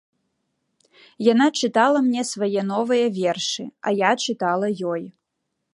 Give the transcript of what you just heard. Яна чытала мне свае новыя вершы, а я чытала ёй.